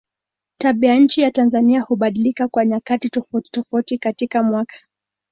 Tabianchi ya Tanzania hubadilika kwa nyakati tofautitofauti katika mwaka.